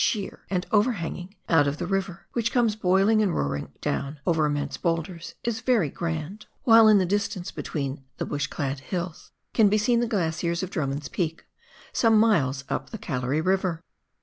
sheer, and overhanging, out of the river, which comes boiling and roaring down over immense biulders, is very grand ; while in the distance, between the bush clad hills, can be seen the glaciers of Drummond's Peak, some miles up the Gallery River.